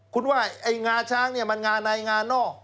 คุณว่าไอ้งาช้างเนี่ยมันงาในงานอก